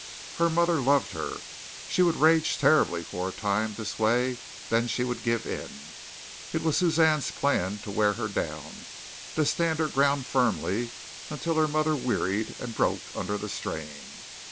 Her mother loved her. She would rage terribly for a time this way, then she would give in. It was Suzanne's plan to wear her down, to stand her ground firmly until her mother wearied and broke under the strain.